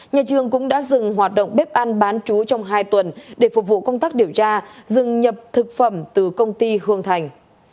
nhà trường cũng đã dừng hoạt động bếp ăn bán chú trong hai tuần để phục vụ công tác điều tra dừng nhập thực phẩm từ công ty hương thành